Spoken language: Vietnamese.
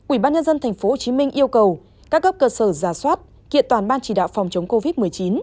ubnd tp hcm yêu cầu các cấp cơ sở rà soát kiện toàn ban chỉ đạo phòng chống covid một mươi chín